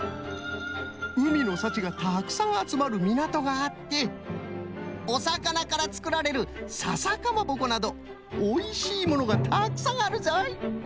うみのさちがたくさんあつまるみなとがあっておさかなからつくられる笹かまぼこなどおいしいものがたくさんあるぞい！